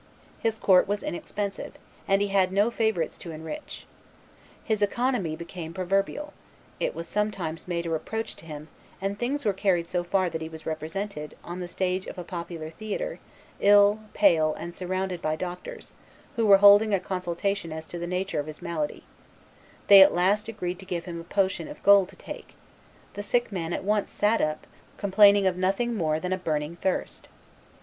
His court was inexpensive, and he had no favorites to enrich. His economy became proverbial; it was sometimes made a reproach to him; and things were carried so far that he was represented, on the stage of a popular theatre, ill, pale, and surrounded by doctors, who were holding a consultation as to the nature of his malady: they at last agreed to give him a potion of gold to take; the sick man at once sat up, complaining of nothing more than a burning thirst.